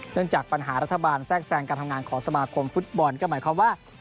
จากปัญหารัฐบาลแทรกแทรงการทำงานของสมาคมฟุตบอลก็หมายความว่า